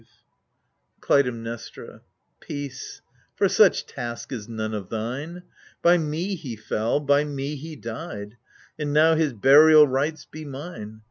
72 AGAMEMNON Clytemnestra Peace ! for such task is none of thine. By me he fell, by me he died, And now his burial rites be mine !